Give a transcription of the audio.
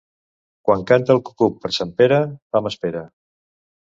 Quan canta el cucut per Sant Pere, fam espera.